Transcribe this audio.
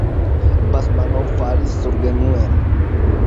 Basmanov falis surgenuen.